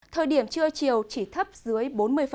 thời điểm trưa chiều chỉ thấp dưới bốn mươi